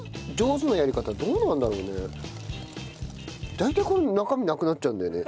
大体こういうふうに中身なくなっちゃうんだよね。